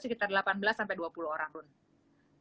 sekitar delapan belas sampai dua puluh orang